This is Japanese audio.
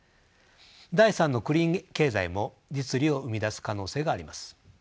第３のクリーン経済も実利を生み出す可能性があります。